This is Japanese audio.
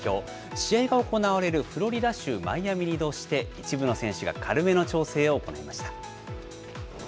試合が行われるフロリダ州のマイアミに移動して、一部の選手が軽めの調整を行いました。